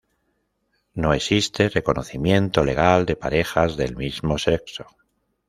No existe reconocimiento legal de parejas del mismo sexo.